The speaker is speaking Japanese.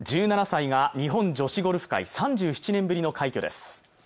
１７歳が日本女子ゴルフ界３７年ぶりの快挙です